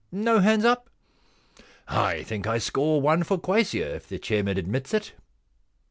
No hands up ? I think I score one for quassia, if the chairman admits it.'